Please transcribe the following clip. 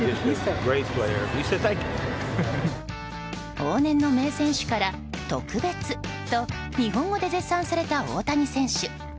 往年の名選手から特別と日本語で絶賛された大谷選手。